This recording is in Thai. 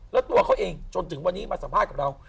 แล้วตัวเขาเองจนถึงวันนี้มาสัมภาษณ์กับเรา